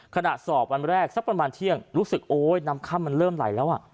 สอบวันแรกสักประมาณเที่ยงรู้สึกโอ๊ยน้ำค่ำมันเริ่มไหลแล้ว